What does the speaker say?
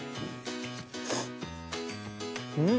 うん！